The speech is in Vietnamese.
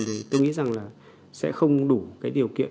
thì tôi nghĩ rằng là sẽ không đủ cái điều kiện